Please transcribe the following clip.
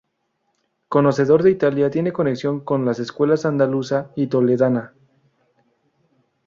Conocedor de Italia, tiene conexión con las escuelas andaluza y toledana.